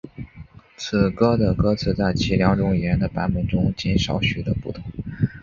此歌的歌词在其两种语言的版本中仅有少许的不同。